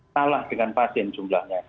salah dengan pasien jumlahnya